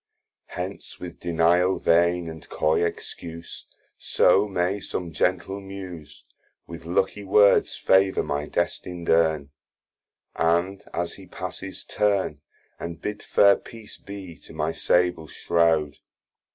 Hence with denial vain, and coy excuse, So may som gentle Muse With lucky words favour my destin'd Urn, And as he passes turn, And bid fair peace be to my sable shrowd.